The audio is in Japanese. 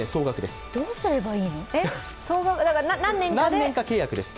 何年か契約です。